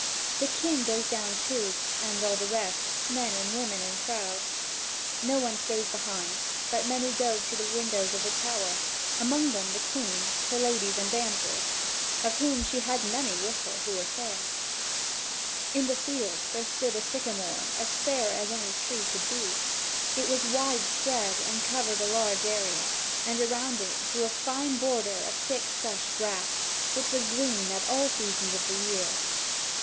The King goes down too, and all the rest, men and women in crowds. No one stays behind; but many go up to the windows of the tower, among them the Queen, her ladies and damsels, of whom she had many with her who were fair. (Vv. 7005 7119.) In the field there stood a sycamore as fair as any tree could be; it was wide spread and covered a large area, and around it grew a fine border of thick fresh grass which was green at all seasons of the year.